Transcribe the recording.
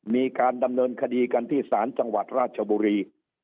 มีการดำเนินคดีกันที่ศาลจังหวัดราชบุรี